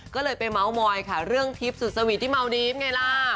ก็เลยไปเมาส์มอยค่ะเรื่องทริปสุดสวีทที่เมาดีฟไงล่ะ